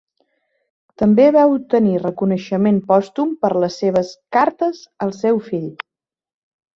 També va obtenir reconeixement pòstum per les seves "Cartes al seu fill".